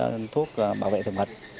chứ thuốc bảo vệ thường mệnh